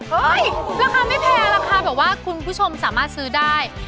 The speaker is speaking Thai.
ราคาไม่แพงราคาแบบว่าคุณผู้ชมสามารถซื้อได้